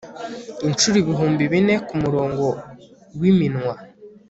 inshuro ibihumbi bine kumurongo wiminwa